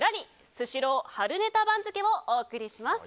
スシロー春ネタ番付をお送りします。